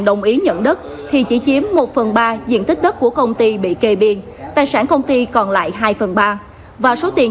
đồng ý nhận đất thì chỉ chiếm một phần ba diện tích đất của công ty bị kê biên tài sản công ty còn lại hai phần ba